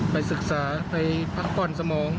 ไปศึกษาไปพักผ่อนสมอง